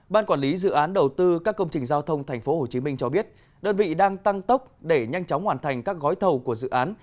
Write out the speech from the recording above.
ban quản lý dự án đầu tư các công trình giao thông tp hcm cho biết đơn vị đang tăng tốc để nhanh chóng hoàn thành các gói thầu của dự án